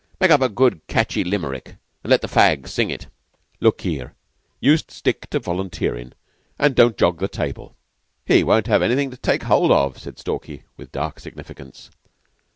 Make up a good catchy Limerick, and let the fags sing it." "Look here, you stick to volunteerin', and don't jog the table." "He won't have anything to take hold of," said Stalky, with dark significance.